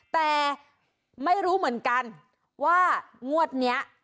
แต่ไม่รู้เหมือนกันว่างวดนี้